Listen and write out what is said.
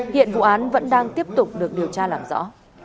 hiện vụ án vẫn đang tiếp tục được điều tra làm rõ